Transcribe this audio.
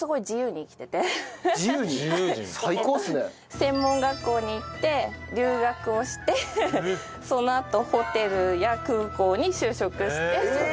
専門学校に行って留学をしてそのあとホテルや空港に就職してそれで。